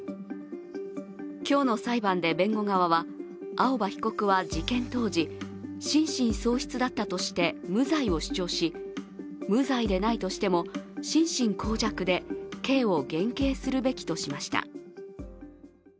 今日の裁判で弁護側は、青葉被告は事件当時、心神喪失だったとして、無罪を主張し、無罪でないとしても、心神耗弱で刑を減軽するべきとしました。